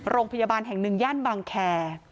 โรงพยาบาลแห่งหนึ่งย่านบางแคร์